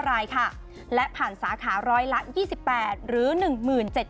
รายค่ะและผ่านสาขาร้อยละยี่สิบแปดหรือหนึ่งหมื่นเจ็ด